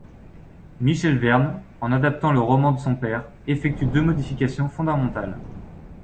Michel Verne, en adaptant le roman de son père, effectue deux modifications fondamentales.